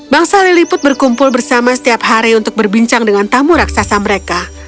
bangsa liliput berkumpul bersama setiap hari untuk berbincang dengan tamu raksasa mereka